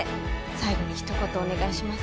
最後にひと言お願いします。